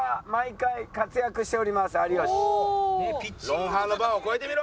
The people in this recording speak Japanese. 『ロンハー』のバーを越えてみろ。